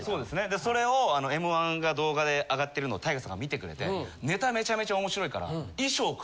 でそれを『Ｍ−１』が動画であがってるのをＴＡＩＧＡさんが見てくれてネタめちゃめちゃ面白いから。